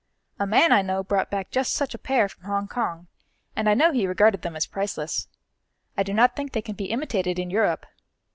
A man I know brought back just such a pair from Hong Kong, and I know he regarded them as priceless. I do not think they can be imitated in Europe."